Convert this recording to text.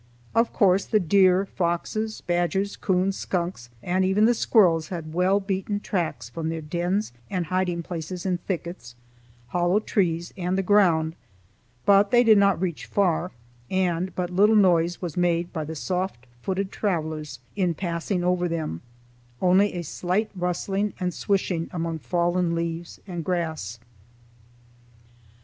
Of course the deer, foxes, badgers, coons, skunks, and even the squirrels had well beaten tracks from their dens and hiding places in thickets, hollow trees, and the ground, but they did not reach far, and but little noise was made by the soft footed travelers in passing over them, only a slight rustling and swishing among fallen leaves and grass.